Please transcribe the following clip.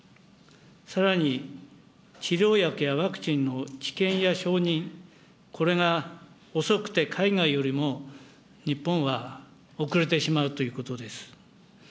さらに治療薬やワクチンの治験や承認、これが遅くて、海外よりも日本は遅れてしまうということです。